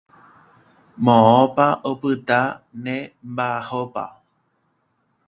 Moõpa opyta ne mba'apoha.